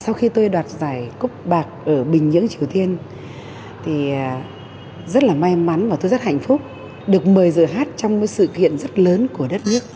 sau khi tôi đoạt giải cúc bạc ở bình nhưỡng triều tiên thì rất là may mắn và tôi rất hạnh phúc được mời giờ hát trong sự kiện rất lớn của đất nước